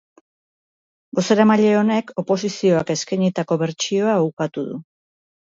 Bozeramaile honek oposizioak eskainitako bertsioa ukatu du.